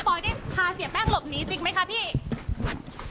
พี่รู้จักเสียแป้งใช่ยังไงคะ